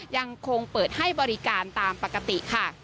ยังคงเปิดให้บริการตามปกติค่ะ